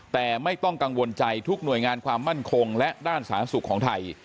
แต่ไม่ต้องกังวลใจทุกหน่วยงานความมั่นคงและด้านสาธารณสุขของไทย